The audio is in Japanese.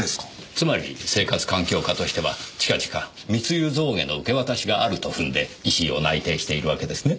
つまり生活環境課としては近々密輸象牙の受け渡しがあると踏んで石井を内偵しているわけですね。